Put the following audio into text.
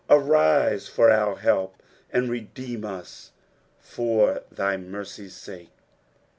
26 Arise for our help, and redeem us for thy mercies' sake.